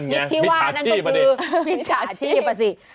มิตรที่ว่านั่นก็คือมิตรฉาชีพอะสิ